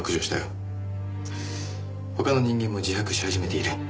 他の人間も自白し始めている。